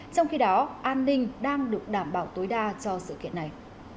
trong khi đó an ninh đang được đảm bảo tối đa cho sự kiện này